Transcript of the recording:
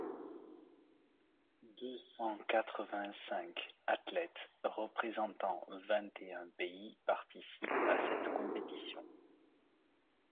Deux cent quatre-vingt-cinq athlètes représentant vingt-et-un pays participent à cette compétition.